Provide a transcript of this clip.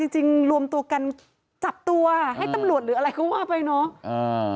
จริงรวมตัวกันจับตัวให้ตำรวจหรืออะไรก็ว่าไปเนาะ